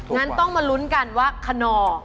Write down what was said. งั้นต้องมาลุ้นกันว่าขนอ